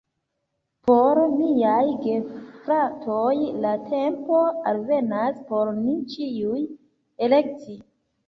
Por miaj gefratoj la tempo alvenas por ni ĉiuj elekti